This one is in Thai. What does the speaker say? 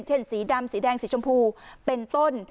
สีดำสีแดงสีชมพูเป็นต้น